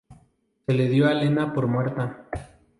Se dio a Lena por muerta.